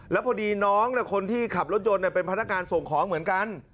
แล้วพอดีน้องคนที่ขับรถยนต์เป็นพนักงานส่งของเหมือนกัน